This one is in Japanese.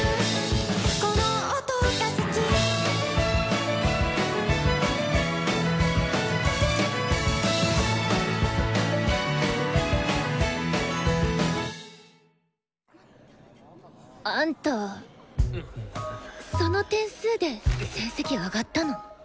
「この音が好き」あんたその点数で成績上がったの？